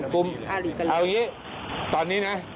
กลุ่มอาริกันเลยครับเอาอย่างนี้ตอนนี้นะ